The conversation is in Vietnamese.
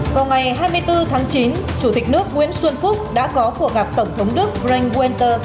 hãy đăng ký kênh để ủng hộ kênh của chúng mình nhé